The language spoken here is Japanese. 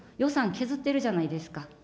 予算削ってるじゃないですか。